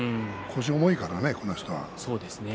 腰が重いからね、この人は。